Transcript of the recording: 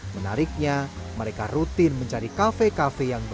menariknya mereka rutin mencari kafe kafe yang berbeda